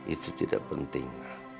itu tidak penting